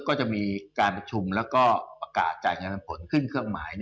ก็จะมีการประชุมแล้วก็ประกาศจ่ายเงินผลขึ้นเครื่องหมาย